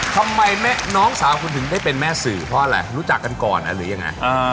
ทำไมน้องสาวคุณถึงได้เป็นแม่สื่อเพราะอะไรรู้จักกันก่อนหรือยังไง